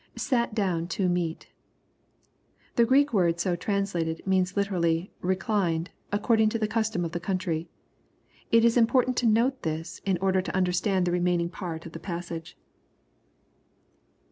[Sat down to meat.] The Greek word so translated, means literally " reclined," according to the custom of the country. It is important to note this, in order to understand the remaining part of the passage.